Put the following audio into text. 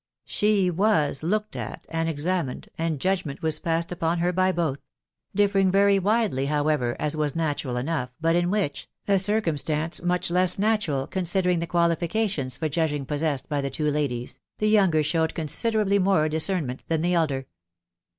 She feces looked at and examined, and judgment waa^aaaad upon her by both ; differing very widely, however, as* was natural enough, but in which (a circumstance much leas na tural, considering the qualifications for judging possessed by the two ladies,) the younger showed considerably more diaoaro Jotent than the elder.